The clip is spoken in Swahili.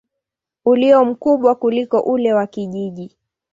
ulio mkubwa kuliko ule wa kijiji.